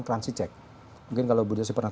transit check mungkin kalau budaya saya pernah